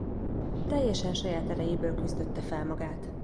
Teljesen saját erejéből küzdötte fel magát.